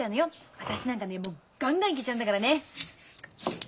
私なんかねもうガンガンいけちゃうんだからね。